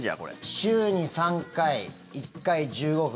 週に３回、１回１５分。